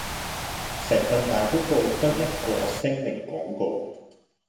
成份大公報得一個聲明廣告